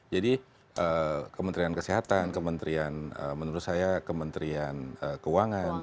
jadi kementerian kesehatan kementerian menurut saya kementerian keuangan